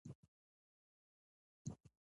تفاهم د ژبې راتلونکی ټاکي.